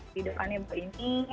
di depannya ini